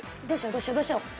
どうしようどうしよう。